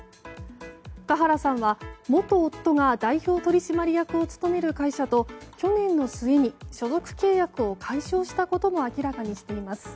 華原さんは元夫が代表取締役を務める会社と去年の末に所属契約を解消したことも明らかにしています。